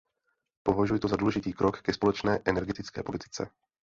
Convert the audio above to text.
Považuji to za důležitý krok ke společné energetické politice.